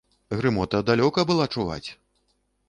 Грымота далёка была чуваць!